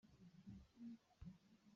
Tuni cu na mui a panh tuk ee.